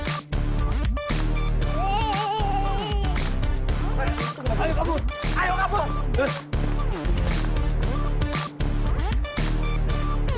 kamu kenapa itu itu itu lagi dipukul kamu tunggu sebentar